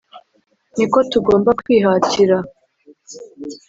Ni ko tugomba kwihatira